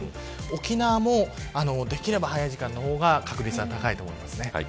沖縄もできれば早い時間の方が確実性が高いと思います。